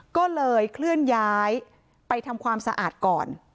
ก็เลยเคลื่อนย้ายไปทำความสะอาดก่อน